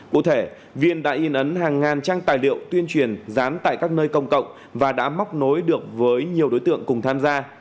cụ thể viên đã in ấn hàng ngàn trang tài liệu tuyên truyền dán tại các nơi công cộng và đã móc nối được với nhiều đối tượng cùng tham gia